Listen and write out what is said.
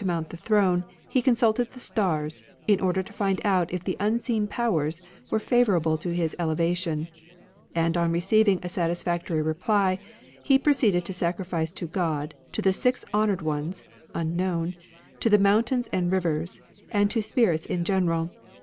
'^ mount the throne, he consulted the stars, in order to find out if the unseen Powers were favourable to his eleva tion ; and on receiving a satisfactory reply, ''he proceeded to sacrifice to God, to the Six Honoured Ones (unknown), to the Mountains and Rivers, and to Spirits in general.